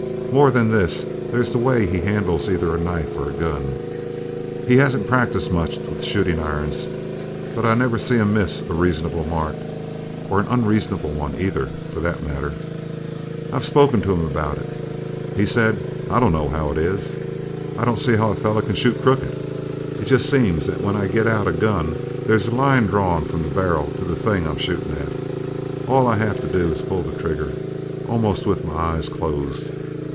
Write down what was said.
More than this there's the way he handles either a knife or a gun. He hasn't practiced much with shootin' irons, but I never seen him miss a reasonable mark or an unreasonable one either, for that matter. I've spoke to him about it. He said: 'I dunno how it is. I don't see how a feller can shoot crooked. It jest seems that when I get out a gun there's a line drawn from the barrel to the thing I'm shootin' at. All I have to do is to pull the trigger almost with my eyes closed!'